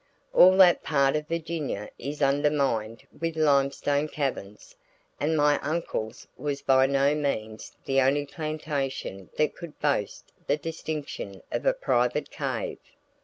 All that part of Virginia is undermined with limestone caverns, and my uncle's was by no means the only plantation that could boast the distinction of a private cave.